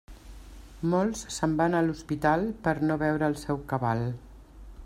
Molts se'n van a l'hospital per no veure el seu cabal.